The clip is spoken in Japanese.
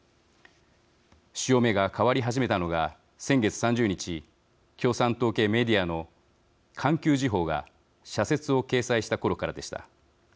潮目が変わり始めたのが先月３０日共産党系メディアの「環球時報」が社説を掲載したころからでした。